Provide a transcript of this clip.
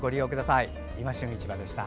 「いま旬市場」でした。